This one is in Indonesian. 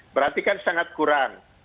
berarti kan sangat kurang